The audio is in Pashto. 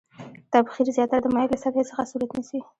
تبخیر زیاتره د مایع له سطحې څخه صورت نیسي.